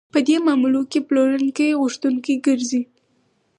په دې معاملو کې پلورونکی غوښتونکی ګرځي